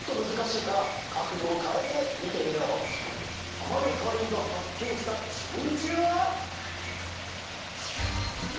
たまよたいいんがはっけんしたチンジューは？